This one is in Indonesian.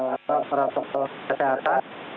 atau protokol kesehatan